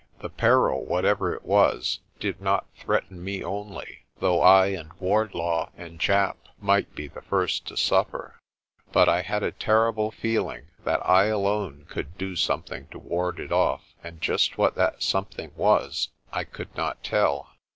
The peril, whatever it was, did not threaten me only, though I and Wardlaw and Japp might be the first to suffer ; but I had a terrible feeling that I alone could do something to ward it off, and just what that some thing was I could not tell.